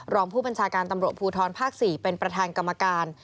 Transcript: รองผู้บัญชาการตำรวจภูทรภาค๔เป็นประธานกรรมการ